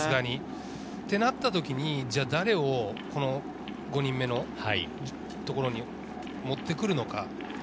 そうなった時に誰を５人目のところに持ってくるのか。